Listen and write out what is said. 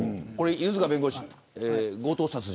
犬塚弁護士、強盗殺人。